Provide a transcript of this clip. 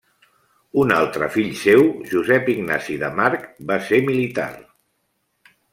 Un altre fill seu, Josep Ignasi de March, va ser militar.